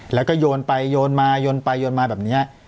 แล้วก็โยนไปโยนมาโยนไปโยนมาแบบนี้